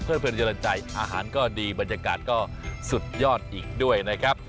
เพลินเจริญใจอาหารก็ดีบรรยากาศก็สุดยอดอีกด้วยนะครับ